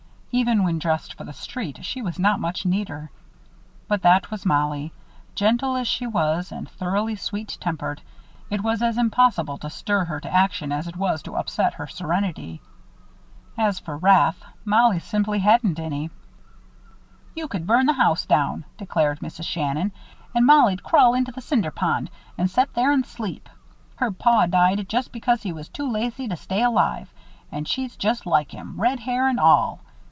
Even when dressed for the street, she was not much neater. But that was Mollie. Gentle as she was and thoroughly sweet tempered, it was as impossible to stir her to action as it was to upset her serenity. As for wrath, Mollie simply hadn't any. "You could burn the house down," declared Mrs. Shannon, "an' Mollie'd crawl into the Cinder Pond an' set there an' sleep. Her paw died just because he was too lazy to stay alive, and she's just like him red hair and all.